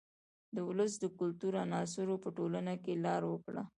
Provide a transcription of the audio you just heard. د ولس د کلتور عناصرو په ټولنه کې لار وکړه.